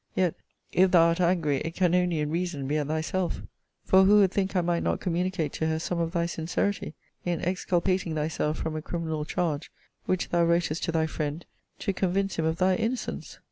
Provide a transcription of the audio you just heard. Yet, if thou art angry, it can only, in reason, be at thyself; for who would think I might not communicate to her some of thy sincerity in exculpating thyself from a criminal charge, which thou wrotest to thy friend, to convince him of thy innocence?